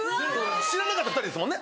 知らなかった２人ですもんね。